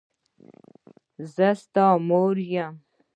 زه ستا مور یم.